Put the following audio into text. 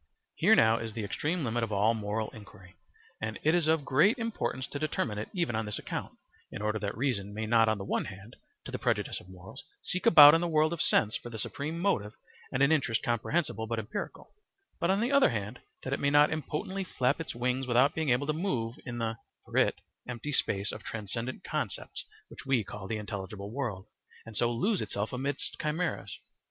Here now is the extreme limit of all moral inquiry, and it is of great importance to determine it even on this account, in order that reason may not on the one hand, to the prejudice of morals, seek about in the world of sense for the supreme motive and an interest comprehensible but empirical; and on the other hand, that it may not impotently flap its wings without being able to move in the (for it) empty space of transcendent concepts which we call the intelligible world, and so lose itself amidst chimeras.